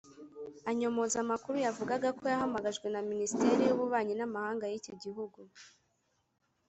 anyomoza amakuru yavugaga ko yahamagajwe na Minisiteri y’Ububanyi n’Amahanga y’iki gihugu